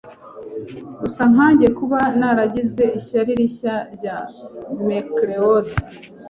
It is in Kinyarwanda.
usa nkanjye kuba naragize ishyari rishya rya Macleod